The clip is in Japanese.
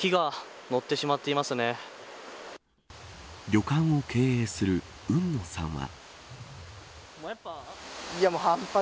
旅館を経営する海野さんは。